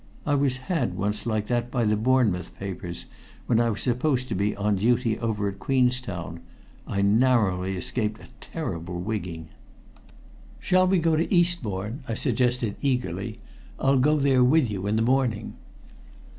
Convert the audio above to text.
I was had once like that by the Bournemouth papers, when I was supposed to be on duty over at Queenstown. I narrowly escaped a terrible wigging." "Shall we go to Eastbourne?" I suggested eagerly. "I'll go there with you in the morning."